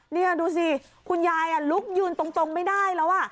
นี่ดูสิคุณยายลุกยืนตรงไม่ได้แล้ว